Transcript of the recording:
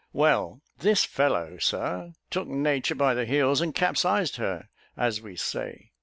Well this fellow, Sir, took nature by the heels and capsized her, as we say.